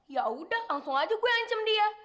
yaudah langsung aja gue ancam dia